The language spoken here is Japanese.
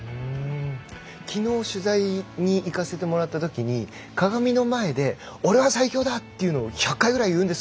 きのう取材にいかせてもら￥ったときに鏡の前で俺は最強だというのを１００回ぐらい言うんです。